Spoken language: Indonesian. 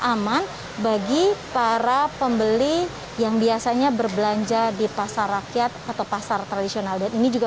aman bagi para pembeli yang biasanya berbelanja di pasar rakyat atau pasar tradisional dan ini juga